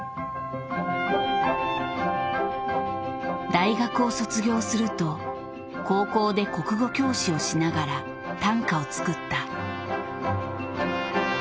大学を卒業すると高校で国語教師をしながら短歌を作った。